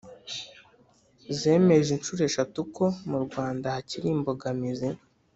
zemeje inshuro eshatu ko mu rwanda hakiri imbogamizi